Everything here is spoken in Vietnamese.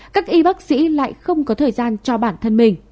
các y bác sĩ lại không có thời gian cho bản thân mình